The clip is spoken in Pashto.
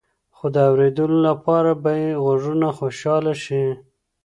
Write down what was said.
خو د اوریدلو لپاره به يې غوږونه خوشحاله شي.